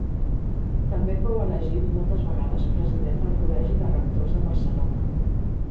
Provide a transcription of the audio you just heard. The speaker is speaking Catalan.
També fou elegit moltes vegades president del Col·legi de Rectors de Barcelona.